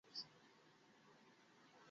না না বাই, ভাষণ তো তোমাকে দিতেই হবে!